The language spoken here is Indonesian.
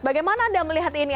bagaimana anda melihat ini